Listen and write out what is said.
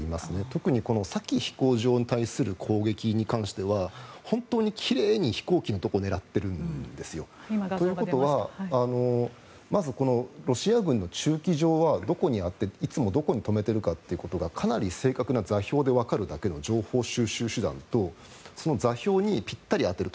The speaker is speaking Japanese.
特に先の飛行場に対する攻撃に関しては本当に奇麗に飛行機のところを狙っているんですよ。ということは、まずロシア軍の駐機場はどこにあっていつもどこに止めているかってことがかなり正確な座標でわかるだけの情報収集手段とその座標にぴったり当てる。